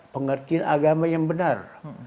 pengertian agama yang benar